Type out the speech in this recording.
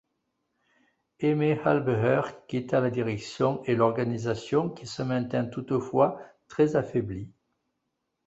Aimé Halbeher quitta la direction et l'organisation qui se maintint toutefois, très affaiblie.